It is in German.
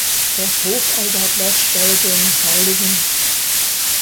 Das Hochaltarblatt stellt den hl.